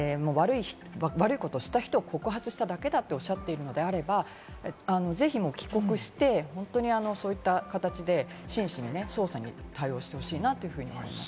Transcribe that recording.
悪いことをした人を告発しただけだとおっしゃっているのであれば、ぜひ帰国して、そういった形で真摯に捜査に対応してほしいなというふうに思います。